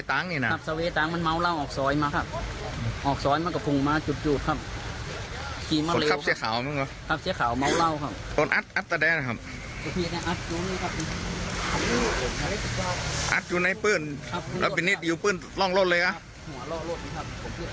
อาจอยู่ในพื้นแล้วก็พินิศอยู่ร่องรถเลยครับ